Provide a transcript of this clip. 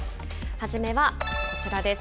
初めはこちらです。